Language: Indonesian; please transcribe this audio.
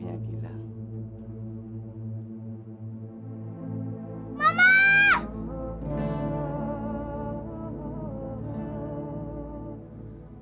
ini ubaidillah bukan alek